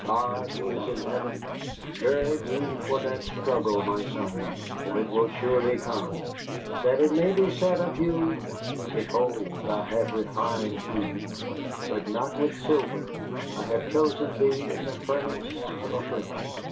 God, who is in heaven, gird thee for that struggle, my son, for it will surely come. That it may be said of you, 'Behold, I have refined thee, but not with silver, I have chosen thee in the furnace of affliction.